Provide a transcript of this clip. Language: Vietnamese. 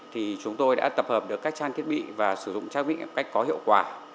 thì chúng tôi đã tập hợp được các trang thiết bị và sử dụng trang bị một cách có hiệu quả